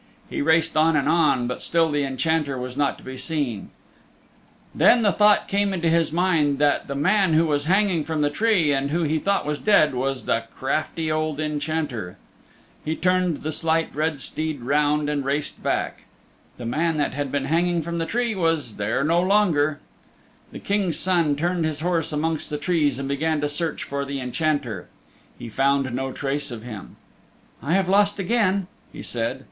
He raced on and on, but still the Enchanter was not to be seen. Then the thought came into his mind that the man who was hanging from the tree and who he thought was dead was the crafty old Enchanter. He turned the Slight Red Steed round and raced back. The man that had been hanging from the tree was there no longer. The King's Son turned his horse amongst the trees and began to search for the Enchanter. He found no trace of him. "I have lost again," he said.